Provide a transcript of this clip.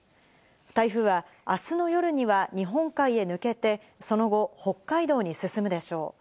台風はあすの夜には日本海へ抜けて、その後、北海道に進むでしょう。